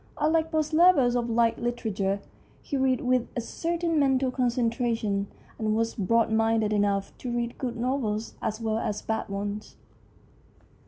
Un like most lovers of light literature, he read with a certain mental concentration, and was broad minded enough to read good novels as well as bad ones.